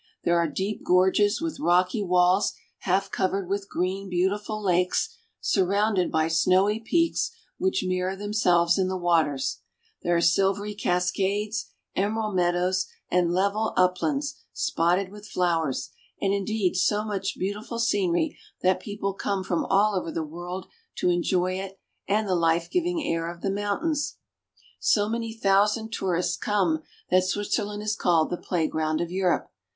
There are deep gorges with rocky walls half covered with green, beautiful lakes surrounded by snowy peaks which mirror themselves in the waters; there are silvery cascades, emerald meadows, and level uplands spotted with flowers, and indeed so much beautiful scenery that people come 252 SWITZERLAND. from all over the world to enjoy it and the life giving air of the mountains. So many thousand tourists come that Switzerland is called the playground of Europe.